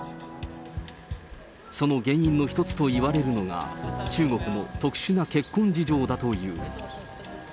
その原因の一つといわれるのが、中国の特殊な結婚事情だという。